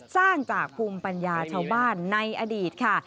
สร้างจากภูมิปัญญาชาวบ้านในอดีตค่ะ